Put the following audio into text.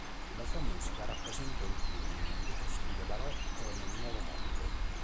La sua musica rappresentò il culmine dello stile Barocco nel Nuovo Mondo.